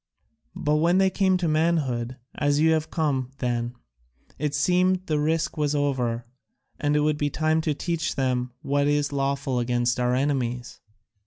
But when they came to manhood, as you have come, then, it seemed, the risk was over, and it would be time to teach them what is lawful against our enemies.